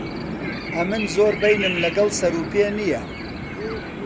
ئەمن زۆر بەینم لەگەڵ سەر و پێ نییە.